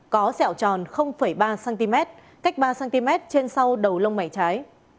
có sẹo tròn ba cm cách ba cm trên sau đầu lông mày trái